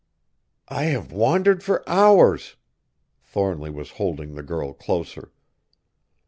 "I have wandered for hours!" Thornly was holding the girl closer.